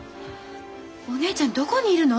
お姉ちゃんどこにいるの？